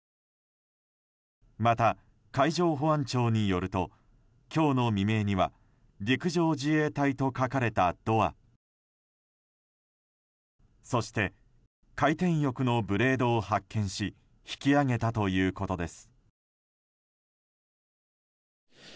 また、海上保安庁によると今日の未明には「陸上自衛隊」と書かれたドアそして回転翼のブレードを発見し引き揚げたということです。